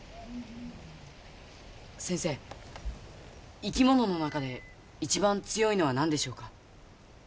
先生生き物の中で一番強いのは何でしょうか？